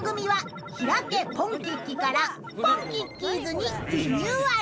ポンキッキ』から『ポンキッキーズ』にリニューアル］